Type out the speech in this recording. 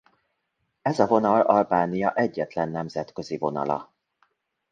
Ez a vonal Albánia egyetlen nemzetközi vonala.